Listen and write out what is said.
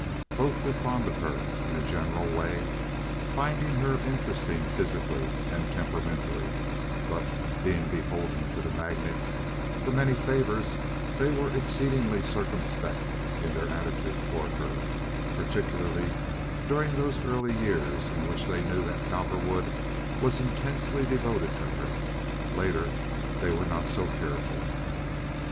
Both were fond of her in a general way, finding her interesting physically and temperamentally; but, being beholden to the magnate for many favors, they were exceedingly circumspect in their attitude toward her, particularly during those early years in which they knew that Cowperwood was intensely devoted to her. Later they were not so careful.